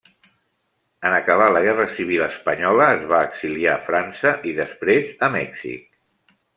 En acabar la guerra civil espanyola es va exiliar a França i després a Mèxic.